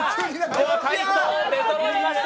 では解答出そろいました。